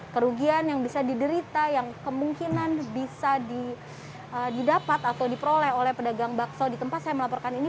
kerugian yang bisa diderita yang kemungkinan bisa didapat atau diperoleh oleh pedagang bakso di tempat saya melaporkan ini